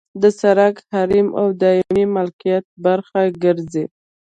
د سرک حریم د دایمي ملکیت برخه ګرځي